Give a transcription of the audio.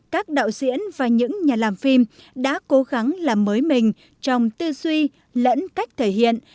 các đạo diễn và những nhà làm phim đã cố gắng làm mới mình trong tư suy lẫn cách thể hiện